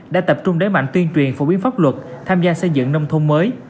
đã tập trung đẩy mạnh tuyên truyền phổ biến pháp luật tham gia xây dựng nông thôn mới